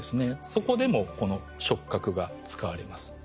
そこでもこの触角が使われます。